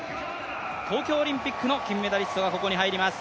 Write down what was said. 東京オリンピックの金メダリストがここに入ります。